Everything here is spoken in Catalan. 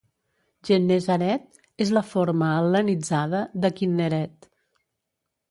"Gennesaret" és la forma hel·lenitzada de Kinneret.